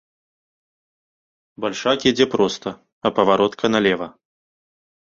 Бальшак ідзе проста, а паваротка налева.